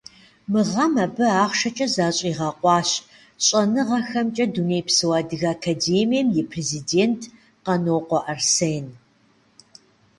Мы гъэм абы ахъшэкӏэ защӏигъэкъуащ Щӏэныгъэхэмкӏэ Дунейпсо Адыгэ Академием и президент Къанокъуэ Арсен.